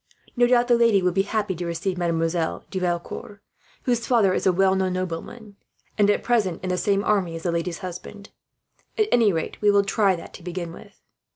No doubt the lady will be happy to receive Mademoiselle de Valecourt, whose father is a well known nobleman and, at present, in the same army as the lady's husband. At any rate, we will try that to begin with."